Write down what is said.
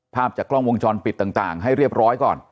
ภาพจากกล้องวงจรปิดต่างให้เรียบร้อยก่อน